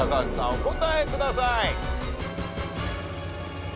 お答えください。